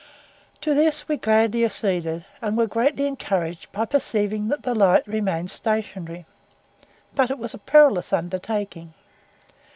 To this we gladly acceded, and were greatly encouraged by perceiving that the light remained stationary. But it was a perilous undertaking.